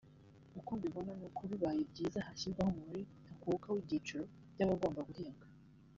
uko mbibona nuko bibaye byiza hashyirwaho umubare ntakuka w’ibyiciro by’abagomba guhembwa